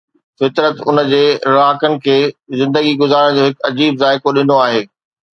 فطرت ان جي رهاڪن کي زندگي گذارڻ جو هڪ عجيب ذائقو ڏنو آهي.